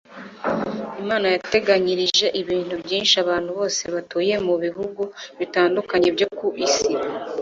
imana yateganyirije ibintu byinshi abantu bose batuye mu bihugu bitandukanye byo ku isi